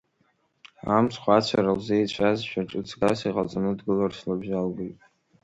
Амцхә ацәара лзеицәазшәа ҿыҵгас иҟаҵаны, дгыларц лабжьалгеит.